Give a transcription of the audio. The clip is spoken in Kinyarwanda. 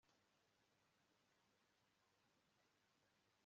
bwo kubera umubyeyi umwana